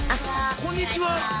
こんにちは。